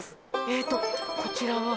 えーっとこちらは？